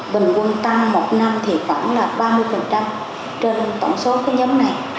bình quân tăng một năm thì khoảng là ba mươi trên tổng số cái nhóm này